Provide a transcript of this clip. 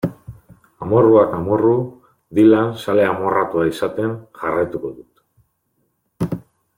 Amorruak amorru, Dylan zale amorratua izaten jarraituko dut.